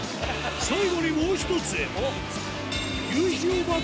最後にもう１つおっ！